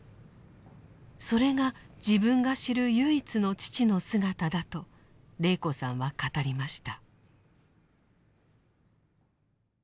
それが自分が知る唯一の父の姿だと禮子さんは語りました。